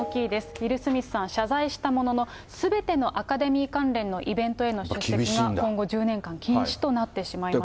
ウィル・スミスさん、謝罪したもののすべてのアカデミー関連のイベントへの出席が今後１０年間禁止となってしまいました。